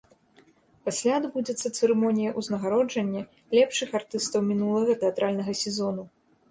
Пасля адбудзецца цырымонія ўзнагароджання лепшых артыстаў мінулага тэатральнага сезону.